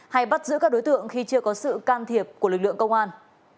hay bắt giữ các đối tượng khi chưa có sự can thiệp của lực lượng công an